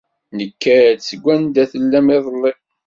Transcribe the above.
Nekka-d seg wanda tellam iḍelli.